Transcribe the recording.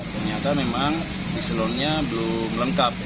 ternyata memang di silon nya belum lengkap